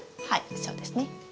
はいそうですね。